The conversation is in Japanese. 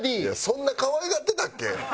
そんな可愛がってたっけ？